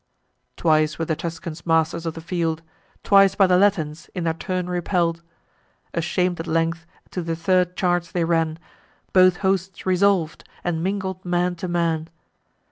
Twice were the Tuscans masters of the field, Twice by the Latins, in their turn, repell'd. Asham'd at length, to the third charge they ran; Both hosts resolv'd, and mingled man to man.